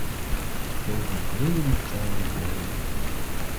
Довгу хвилю мовчали обоє.